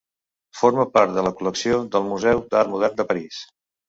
Forma part de la col·lecció del Museu d'Art Modern de París.